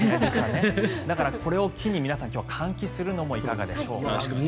だからこれを機に皆さん今日は換気するのもいかがでしょうか。